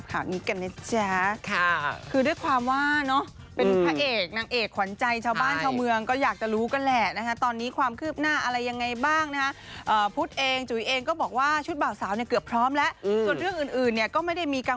แล้วก็ล่าสุดเห็นเขาไปทำพิธีกรร่วมกันมา